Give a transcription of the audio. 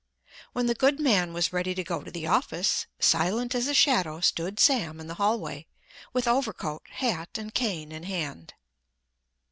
When the good man was ready to go to the office, silent as a shadow stood Sam in the hallway, with overcoat, hat and cane in hand.